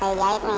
terus di jahitkan